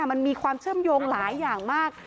มันมีความเชื่อมโยงหลายอย่างมาก